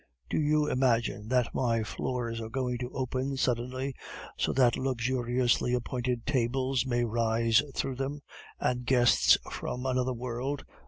"Do you imagine that my floors are going to open suddenly, so that luxuriously appointed tables may rise through them, and guests from another world?